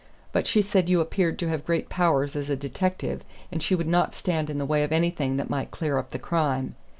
But she said you appeared to have great powers as a detective, and she would not stand in the way of anything that might clear up the crime.